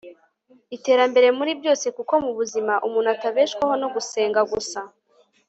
iterambere muri byose kuko mu buzima umuntu atabeshwaho no gusenga gusa